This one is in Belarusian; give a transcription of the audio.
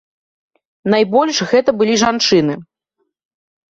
Найбольш гэта былі жанчыны.